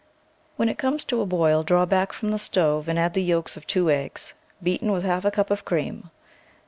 When it comes to a boil, draw back from the stove and add the yolks of two eggs, beaten with half a cup of cream.